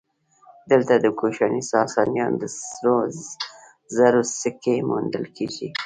دلته د کوشاني ساسانیانو د سرو زرو سکې موندل کېږي